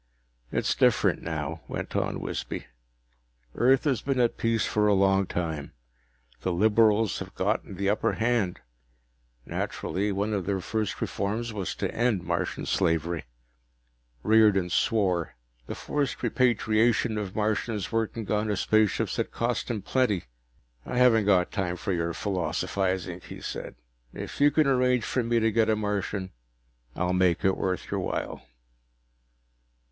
"It's different now," went on Wisby. "Earth has been at peace for a long time. The liberals have gotten the upper hand. Naturally, one of their first reforms was to end Martian slavery." Riordan swore. The forced repatriation of Martians working on his spaceships had cost him plenty. "I haven't time for your philosophizing," he said. "If you can arrange for me to get a Martian, I'll make it worth your while."